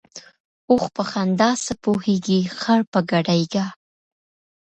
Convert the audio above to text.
ـ اوښ په خندا څه پوهېږي ، خر په ګډېدا.